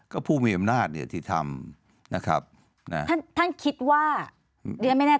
ก็ผู้มีอำนาจเนี่ยที่ทำนะครับ